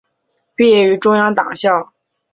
毕业于中央党校。